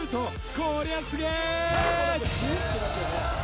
こりゃすげえ！